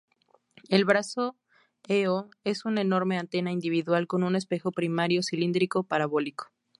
El brazo E-O es una enorme antena individual con un espejo primario cilíndrico-parabólico.